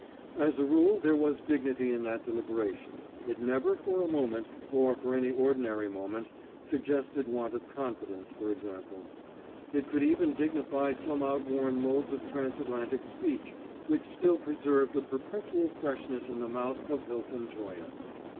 As a rule there was dignity in that deliberation; it never for a moment, or for any ordinary moment, suggested want of confidence, for example. It could even dignify some outworn modes of transatlantic speech which still preserved a perpetual freshness in the mouth of Hilton Toye.